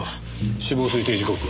死亡推定時刻は？